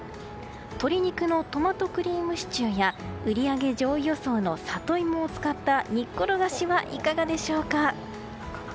鶏肉のトマトクリームシチューや売り上げ上位予想のサトイモを使った煮っころがしはいかがでしょうか。